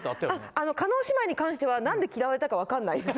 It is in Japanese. あの叶姉妹に関してはなんで嫌われたか分かんないんです。